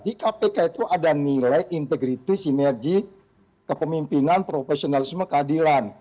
di kpk itu ada nilai integritas sinergi kepemimpinan profesionalisme keadilan